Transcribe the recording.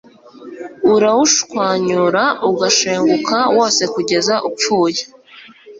urawushwanyura ugashenguka wose kugeza upfuye